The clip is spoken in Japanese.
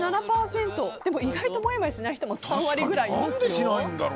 でも、意外ともやもやしない人も３割くらいいるんですよ。